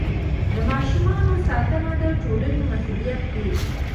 د ماشومانو ساتنه د ټولنې مسؤلیت دی.